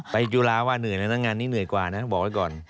จุฬาว่าเหนื่อยเลยนะงานนี้เหนื่อยกว่านะบอกไว้ก่อน